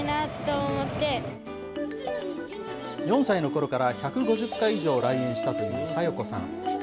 ４歳のころから１５０回以上来園したという咲代子さん。